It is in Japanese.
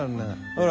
ほら。